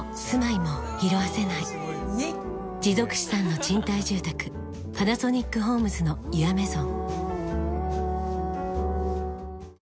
持続資産の賃貸住宅「パナソニックホームズのユアメゾン」